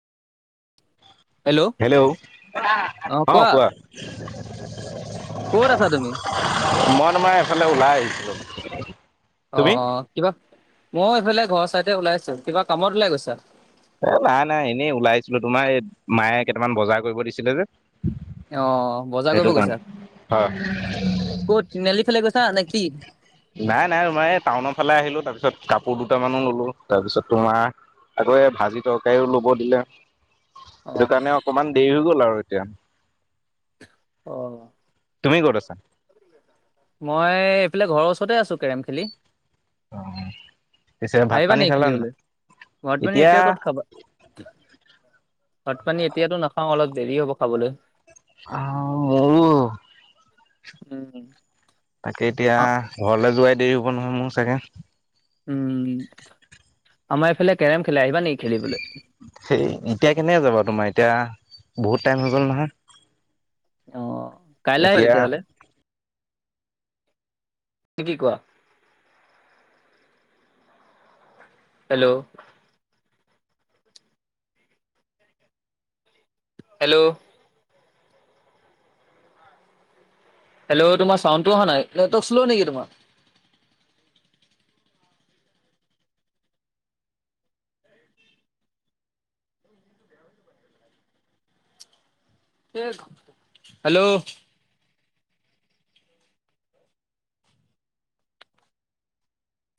Hello অঁ কোৱা। ক'ত আছা তুমি? মই তোমাৰ এইফালে ওলাই আহিছিলোঁ। অঁ অঁ কিবা ময়ো এইফালে ঘৰৰ ছাইদে ওলাই আছোঁ, কিবা কামত ওলাই গৈছা? এ নাই নাই এনেই ওলাই আহিছিলো তোমাৰ এই মায়ে কেইটামান বজাৰ কৰিব দিছিলে যে। অ বজাৰ সেইটো কৰিব কাৰণে গৈছা? ক'ত তিনিআলি ফালে গৈছা নেকি? নাই নাই তোমাৰ এই টাউনৰ ফালে আহিলো, তাৰপিছত কাপোৰ দুটামানো ললো তাৰপিছত তোমাৰ আকৌ এ ভাজি তৰকাৰিও লব দিলে, অ সেইটো কাৰণে অকমান দেৰি হৈ গ'ল আৰু এতিয়া। অ। তুমি ক'ত আছা? মই এইফালে ঘৰৰ ওচৰতে আছো কেৰম খেলি। পিছে ভাত আহিবা পানী নেকি খালা নাই খেলিবলৈ? ভাত পানী এতিয়া ক'ত খাবা? ভাত পানী এতিয়াতো নাখাও অলপ দেৰি হ'ব খাবলৈ। অঁ উম উম। তাকে এতিয়া ঘৰলে যোৱাই দেৰি হ'ব নহয় মোৰ চাগে। উম, আমাৰ এইফালে কেৰম খেলে, আহিবা নেকি খেলিবলৈ? সেই এতিয়া কেনেকে যাবা তোমাৰ এতিয়া বহুত টাইম হৈ গ'ল নহয়। অঁ কাইলে আহিবা এতিয়া তেতিয়াহলে। ত কি কোৱা? হেল্ল। হেল্ল। হেল্ল তোমাৰ চাউণ্ডটো অহা নাই, নেটৱৰ্ক শ্ল নেকি তোমাৰ? তে হেল্ল।